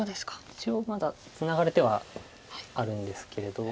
一応まだツナがれてはあるんですけれど。